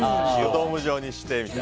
ドーム状にして。